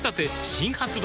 新発売